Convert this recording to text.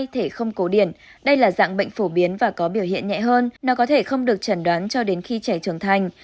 thể không cổ điển đây là dạng bệnh phổ biến và có biểu hiện nhẹ hơn nó có thể không được chẩn đoán cho đến khi trẻ trưởng thành